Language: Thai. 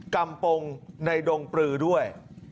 ำปงในดงปลือด้วย